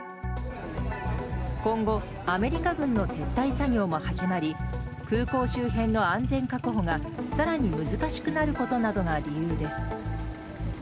今後、アメリカ軍の撤退作業も始まり空港周辺の安全確保が更に難しくなることなどが理由です。